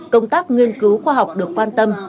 công tác nghiên cứu khoa học được quan tâm